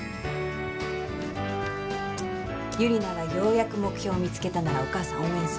ユリナがようやく目標見つけたならお母さん応援する。